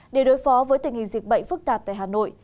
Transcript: để đối phó với tình hình dịch bệnh phức tạp tại hà nội